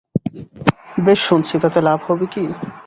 বেশ শুনছি, তাতে লাভ হবে কি?